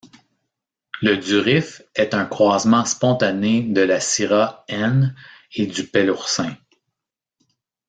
Le durif est un croisement spontané de la syrah N et du peloursin.